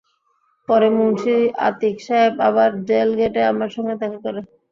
পরে মুন্সি আতিক সাহেব আবার জেল গেটে আমার সঙ্গে দেখা করে।